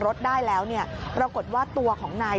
ตอนที่ชาวบ้านเขาเล่าเหตุการณ์ให้นักข่าวฟังเนี่ย